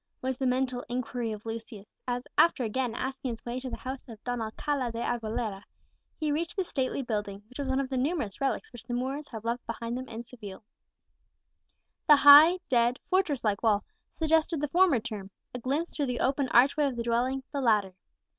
was the mental inquiry of Lucius, as, after again asking his way to the house of Don Alcala de Aguilera, he reached the stately building, which was one of the numerous relics which the Moors have left behind them in Seville. The high, dead, fortress like wall, suggested the former term; a glimpse through the open archway of the dwelling, the latter.